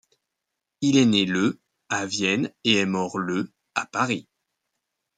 Il est né le à Vienne et est mort le à Paris.